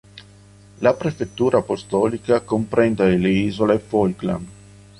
La prefettura apostolica comprende le isole Falkland.